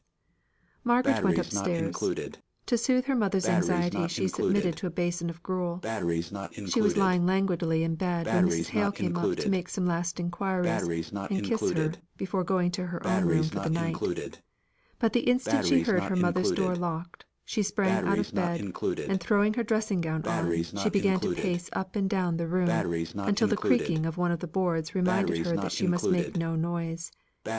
Margaret went up stairs. To soothe her mother's anxiety she submitted to a basin of gruel. She was lying languidly in bed when Mrs. Hale came up to make some last inquiries and kiss her before going to her own room for the night. But the instant she heard her mother's door locked, she sprang out of bed, and throwing her dressing gown on, she began to pace up and down the room, until the creaking of one of the boards reminded her that she must make no noise.